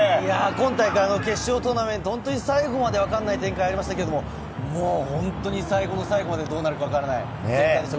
今大会の決勝トーナメント、最後までわからない展開がありましたけれど、最後の最後まで、どうなるかわからない展開でした。